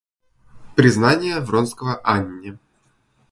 Признание Вронского Анне.